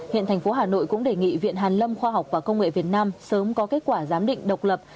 hiện thành phố hà nội cũng đề nghị viện hàn lâm khoa học và công nghệ việt nam sớm có kết quả giám định độc lập